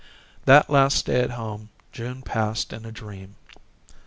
That last day at home June passed in a dream.